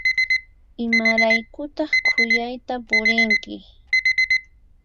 Imaraykutaq khuyayta purinki?